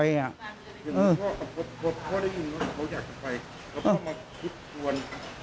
พ่อได้ยินว่าเขาอยากไปพ่อมาคุดส่วน